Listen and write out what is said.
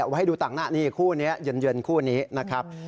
ไว้ให้ดูต่างหน้านี่คู่นี้เย็นคู่นี้นะครับ